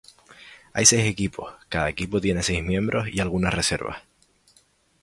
Hay seis equipos, cada equipo tiene seis miembros y algunos reservas.